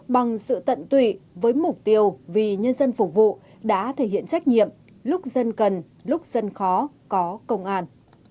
bằng sự tận tụy với mục tiêu vì nhân dân phục vụ đã thể hiện trách nhiệm lúc dân cần lúc dân khó có công an